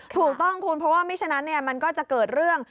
ถูกต้องคุณเพราะว่าไม่ฉะนั้นมันก็จะเกิดเรื่อง